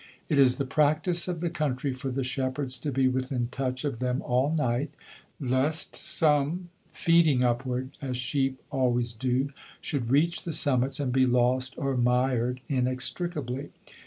It is the practice of the country for the shepherds to be within touch of them all night, lest some, feeding upward (as sheep always do) should reach the summits and be lost or mired inextricably.